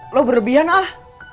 lo berlebihan ah